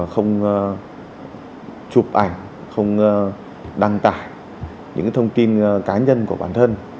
không chụp ảnh không đăng tải những thông tin cá nhân của bản thân